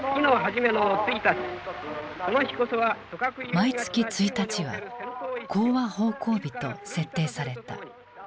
毎月一日は「興亜奉公日」と設定された。